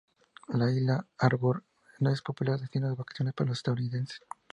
La Isla Harbour es un popular destino de vacaciones para los estadounidenses.